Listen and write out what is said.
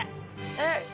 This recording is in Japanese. えっ？